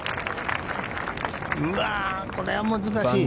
うわあ、これは難しい。